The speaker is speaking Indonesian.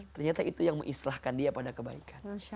ternyata itu yang mengislahkan dia pada kebaikan